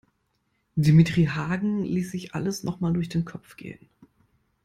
Dimitri Hagen ließ sich alles noch mal durch den Kopf gehen.